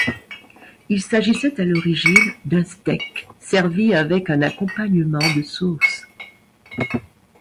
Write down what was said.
Il s'agissait à l'origine d'un steak servi avec un accompagnement de sauces.